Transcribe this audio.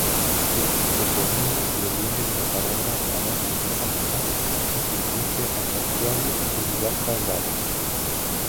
Su topónimo proviene de la palabra "Ara-Sancta", equivalente a "Santuario" o "Lugar Sagrado".